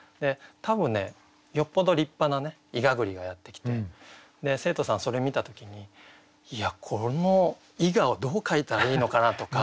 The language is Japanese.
多分ねよっぽど立派な毬栗がやってきて生徒さんそれ見た時にいやこの毬をどう描いたらいいのかなとか。